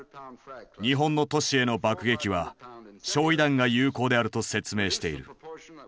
日本の都市への爆撃は焼夷弾が有効であると説明している。